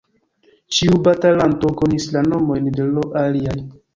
Ĉiu batalanto konis la nomojn de l' aliaj.